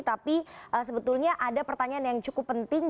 tapi sebetulnya ada pertanyaan yang cukup penting